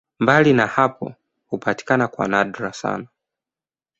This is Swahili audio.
Mbali na hapo hupatikana kwa nadra sana.